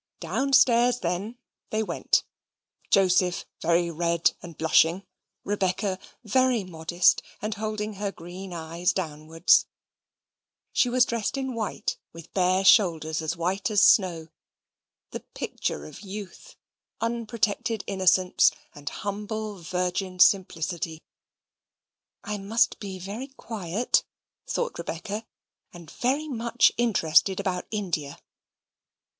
Downstairs, then, they went, Joseph very red and blushing, Rebecca very modest, and holding her green eyes downwards. She was dressed in white, with bare shoulders as white as snow the picture of youth, unprotected innocence, and humble virgin simplicity. "I must be very quiet," thought Rebecca, "and very much interested about India."